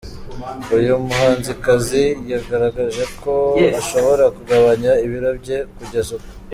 Uyu muhanzikazi yagaragaje ko ashobora kugabanya ibiro bye kugeza ku.